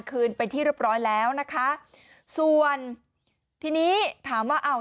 คืนเป็นที่เรียบร้อยแล้วนะคะส่วนทีนี้ถามว่าอ้าว